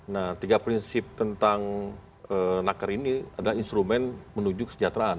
nah tiga prinsip tentang naker ini adalah instrumen menuju kesejahteraan